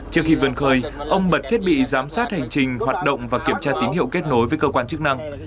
trước khi vươn khơi ông bật thiết bị giám sát hành trình hoạt động và kiểm tra tín hiệu kết nối với cơ quan chức năng